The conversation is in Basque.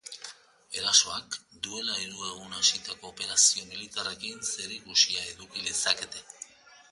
Erasoak duela hiru egun hasitako operazio militarrekin zerikusia eduki lezakete.